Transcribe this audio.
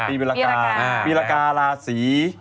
ปีเป็นลากาลาสี